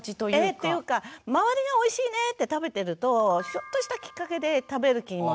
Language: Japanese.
ええっていうか周りがおいしいねって食べてるとちょっとしたきっかけで食べる気にもなったり。